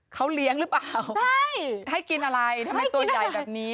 เขาเลี้ยงหรือเปล่าใช่ให้กินอะไรทำไมตัวใหญ่แบบนี้